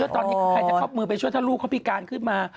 ตอนนี้ใครจะครอบมือไปช่วยถ้าลูกเขาพิการขึ้นมา